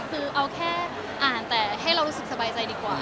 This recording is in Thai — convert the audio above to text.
คือเอาแค่อ่านแต่ให้เรารู้สึกสบายใจดีกว่า